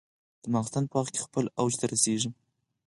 د ماخوستن په وخت خپل اوج ته رسېږي.